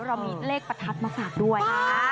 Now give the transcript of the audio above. เรามีเลขประทัดมาฝากด้วย